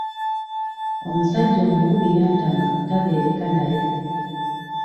Omusajja omukubi yantama tabeereka naye.